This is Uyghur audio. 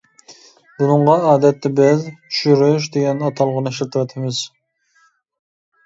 بۇنىڭغا ئادەتتە بىز «چۈشۈرۈش» دېگەن ئاتالغۇنى ئىشلىتىۋاتىمىز.